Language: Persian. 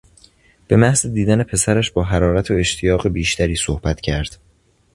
به محض دیدن پسرش با حرارت و اشتیاق بیشتری صحبت کرد.